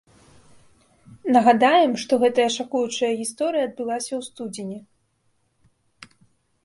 Нагадаем, што гэтая шакуючая гісторыя адбылася ў студзені.